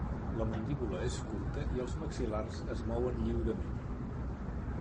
La mandíbula és curta, i els maxil·lars es mouen lliurement.